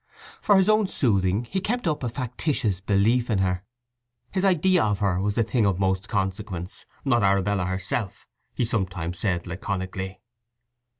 For his own soothing he kept up a factitious belief in her. His idea of her was the thing of most consequence, not Arabella herself, he sometimes said laconically.